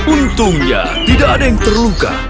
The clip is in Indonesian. untungnya tidak ada yang terluka